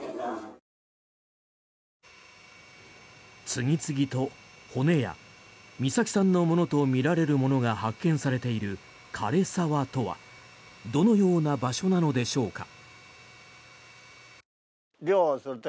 次々と骨や美咲さんのものとみられるものが発見されている枯れ沢とはどのような場所なのでしょうか。